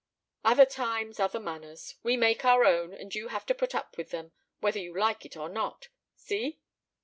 "Other times, other manners. We make our own, and you have to put up with them whether you like it or not. See?"